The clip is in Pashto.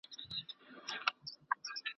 ستا پستې پستې خبري مي یا دېږي